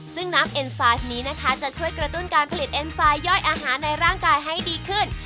ซึ่งน้ำเอ็นซาสนี้นะคะจะช่วยกระตุ้นการผลิตเอ็นไซด์ย่อยอาหารในร่างกายให้ดีขึ้น